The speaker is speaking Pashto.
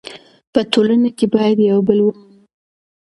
په ټولنه کې باید یو بل ومنو.